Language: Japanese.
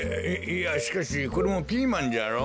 いやしかしこれもピーマンじゃろ？